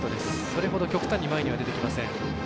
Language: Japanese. それほど極端に前に出てきません。